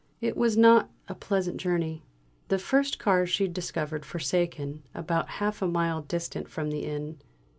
It was not a pleasant journey. The first car she discovered forsaken, about half a mile distant from the inn.